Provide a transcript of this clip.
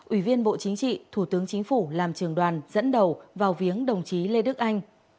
ủy viên bộ chính trị thủ tướng chính phủ làm trường đoàn dẫn đầu vào viếng đồng chí lê đức anh